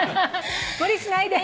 無理しないで。